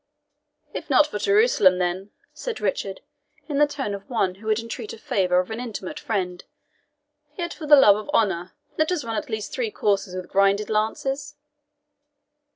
"If not for Jerusalem, then," said Richard, in the tone of one who would entreat a favour of an intimate friend, "yet, for the love of honour, let us run at least three courses with grinded lances?"